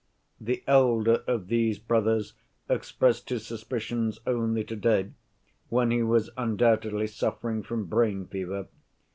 The elder of these brothers expressed his suspicions only to‐day, when he was undoubtedly suffering from brain fever.